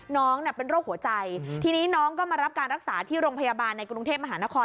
น้องเป็นโรคหัวใจทีนี้น้องก็มารับการรักษาที่โรงพยาบาลในกรุงเทพมหานคร